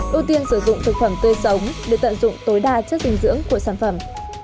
ưu tiên sử dụng thực phẩm tươi sống để tận dụng tối đa chất dinh dưỡng của sản phẩm